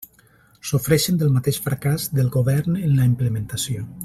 Sofreixen del mateix fracàs del govern en la implementació.